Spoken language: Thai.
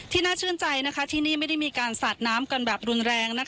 น่าชื่นใจที่นี่ไม่ได้มีการสาดน้ำกันแบบรุนแรง